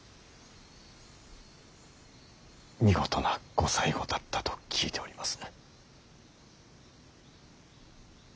見事なご最期だったと聞いております。